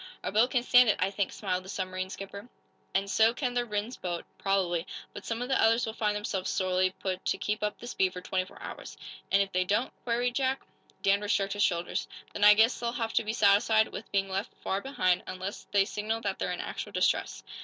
"Our boat can stand it, I think," smiled the submarine skipper. "And so can the Rhinds boat, probably. But some of the others will find themselves sorely put to to keep up the speed for twenty four hours." "And, if they don't?" queried Jack. Danvers shrugged his shoulders. "Then I guess they'll have to be satisfied with being left far behind, unless they signal that they're in actual distress."